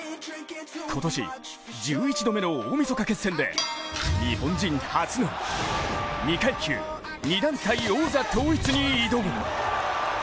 今年、１１度目の大みそか決戦で日本人初の２階級２団体王座統一に挑む。